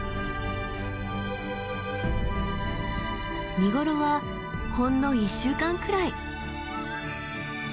見頃はほんの１週間くらい。